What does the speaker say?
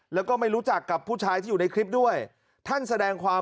แล้วก็ไม่รู้จักกับผู้ชายที่อยู่ในคลิปด้วยท่านแสดงความ